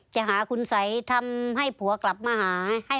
จะหาคุณสัยทำให้ผัวกลับมาหา